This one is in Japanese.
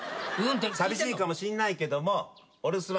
寂しいかもしんないけどもお留守番。